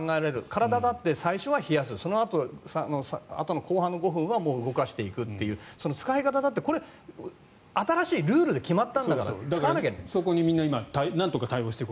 体だって最初は冷やす、そのあとの後半は動かしていくという動かし方だって新しいルールで決まったんだからそこにみんななんとか対応していくと。